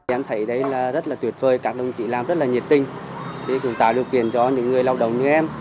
em thấy đấy là rất là tuyệt vời các đồng chí làm rất là nhiệt tinh để tạo điều kiện cho những người lao động như em